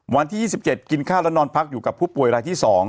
วันที่๒๗กินข้าวแล้วนอนพักอยู่กับผู้ป่วยรายที่๒